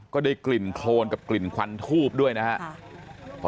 ก็ได้กลิ่นโครนกับกลิ่นควันทูบด้วยนะครับ